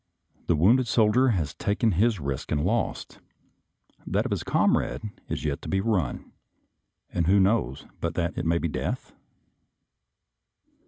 The wounded soldier has taken his risk and lost; that of his comrade is yet to be run, and who knows but that it may be death?